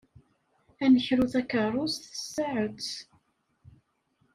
Ad nekru takeṛṛust s tsaɛet.